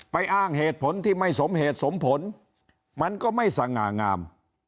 อ้างเหตุผลที่ไม่สมเหตุสมผลมันก็ไม่สง่างาม